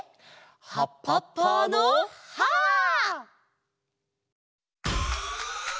「はっぱっぱのハーッ！」。